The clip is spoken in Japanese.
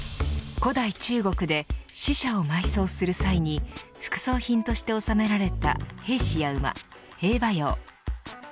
古代中国で死者を埋葬する際に副葬品として納められた兵士や馬、兵馬俑。